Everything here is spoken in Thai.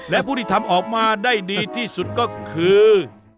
และผู้ที่ทำออกมาได้ดีที่สุดก็คือ